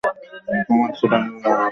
Comanche, dagger one চলছি।